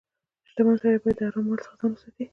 • شتمن سړی باید د حرام مال څخه ځان وساتي.